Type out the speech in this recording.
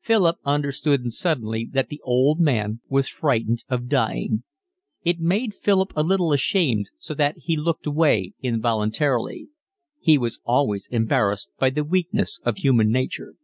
Philip understood suddenly that the old man was frightened of dying. It made Philip a little ashamed, so that he looked away involuntarily. He was always embarrassed by the weakness of human nature.